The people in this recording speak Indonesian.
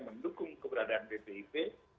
mendukung keberadaan bpp